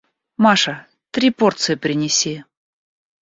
Маша, три порции принеси.